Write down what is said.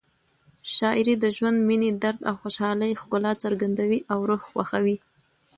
شاعري د ژوند، مینې، درد او خوشحالۍ ښکلا څرګندوي او روح خوښوي.